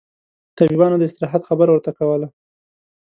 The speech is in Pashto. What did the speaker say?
طبيبانو داستراحت خبره ورته کوله.